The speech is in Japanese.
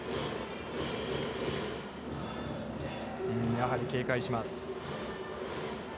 やはり警戒します。